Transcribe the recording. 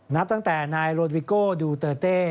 นับตั้งแต่นายโรดริโก้ดูเตอร์เต้